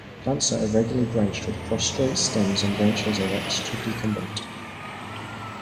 Plants are irregularly branched with prostrate stems and branches erect to decumbent.